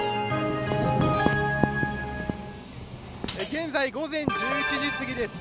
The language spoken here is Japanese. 現在、午前１１時すぎです。